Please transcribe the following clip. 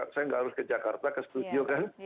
saya nggak harus ke jakarta ke studio kan